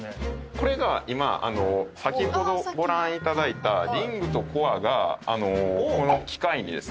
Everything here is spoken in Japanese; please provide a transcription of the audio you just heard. これが今先ほどご覧いただいたリングとコアがこの機械にですね供給されてます。